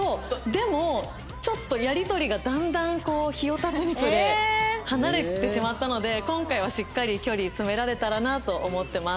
でもちょっとやり取りがだんだん日を経つにつれ離れてしまったので今回はしっかり距離詰められたらなと思ってます。